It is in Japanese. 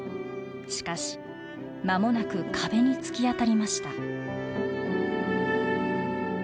しかし間もなく壁に突き当たりました。